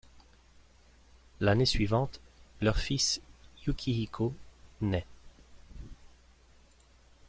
L'année suivante, leur fils Yukihiko naît.